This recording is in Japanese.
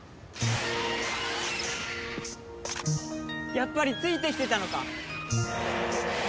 やっぱりついてきてたのか！